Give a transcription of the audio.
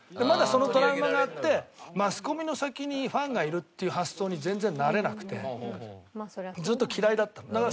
まだそのトラウマがあってマスコミの先にファンがいるっていう発想に全然なれなくてずっと嫌いだったの。